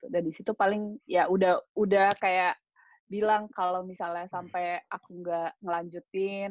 dan disitu paling ya udah kayak bilang kalau misalnya sampai aku gak ngelanjutin